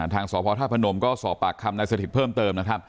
ทางสทัพพนมก็สอบปากคำและแสดดเพิ่มเติม